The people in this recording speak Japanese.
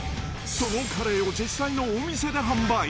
そのカレーを実際のお店で販売。